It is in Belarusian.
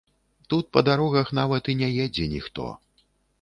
Тут па дарогах нават і не едзе ніхто.